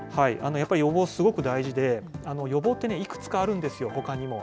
やっぱり予防、すごく大事で、予防ってね、いくつかあるんですよ、ほかにも。